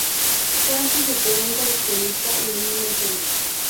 Fue antes de todo un coleccionista y un mecenas.